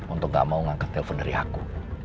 untuk gak mau ngangkat telepon dari aku